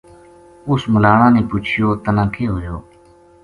اُس ملانا نے پُچھیو تَنا کے ہویو